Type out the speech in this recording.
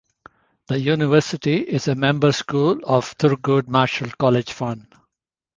The University is a member-school of Thurgood Marshall College Fund.